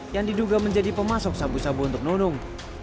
yang diduga menjadi pemasok sabu sabu untuk nunung